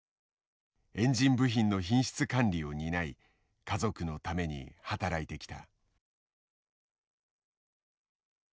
エンジン部品の品質管理を担い家族のために働いてきた。